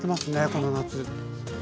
この夏。